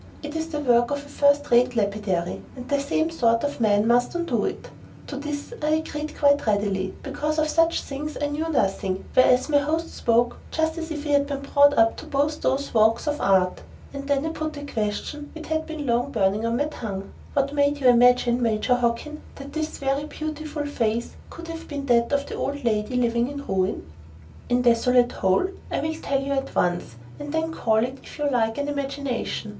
It is the work of a first rate lapidary, and the same sort of man must undo it." To this I agreed quite readily, because of such things I knew nothing; whereas my host spoke just as if he had been brought up to both those walks of art. And then I put a question which had long been burning on my tongue. "What made you imagine, Major Hockin, that this very beautiful face could have ever been that of the old lady living in the ruin?" "In Desolate Hole? I will tell you at once; and then call it, if you like, an imagination.